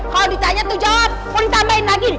kalo ditanya tu jawab pun tambahin lagi